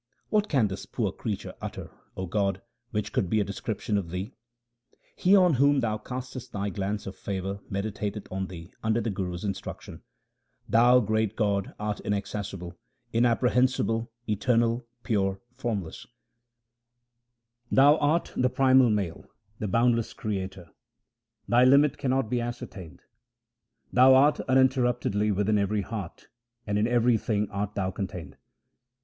What can this poor creature utter, O God, which would be a description of Thee ? He on whom Thou castest Thy glance of favour, medi tateth on Thee under the Guru's instruction. Thou, great God, art inaccessible, inapprehensible, eternal, pure, formless. 314 THE SIKH RELIGION Thou art the primal Male, the boundless Creator ; Thy limit cannot be ascertained. Thou art uninterruptedly within every heart, and in everything art Thou contained.